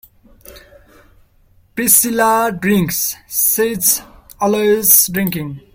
Priscilla drinks — she's always drinking.